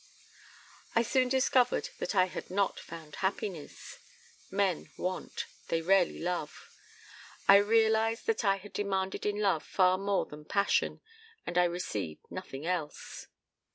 "I soon discovered that I had not found happiness. Men want. They rarely love. I realized that I had demanded in love far more than passion, and I received nothing else.